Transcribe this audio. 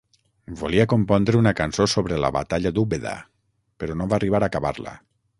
Volia compondre una cançó sobre la batalla d'Úbeda, però no va arribar a acabar-la.